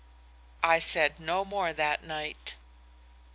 "I said no more that night.